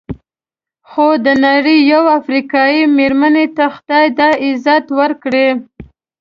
خو د نړۍ یوې افریقایي مېرمنې ته خدای دا عزت ورکړی.